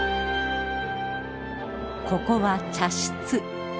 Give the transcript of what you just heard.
ここは茶室。